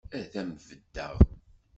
Ad m-beddeɣ.